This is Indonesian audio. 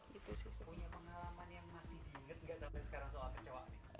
punya pengalaman yang masih diingat nggak sampai sekarang soal kecoak